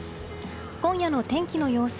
今夜の天気の様子。